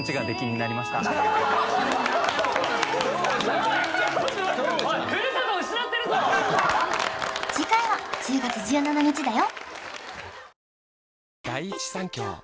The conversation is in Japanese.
あの次回は１０月１７日だよ！